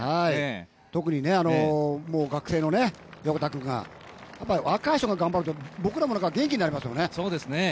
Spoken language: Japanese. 特に学生の横田君が、やっぱ若い人が頑張ると僕らも元気になりますよね。